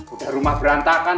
udah rumah berantakan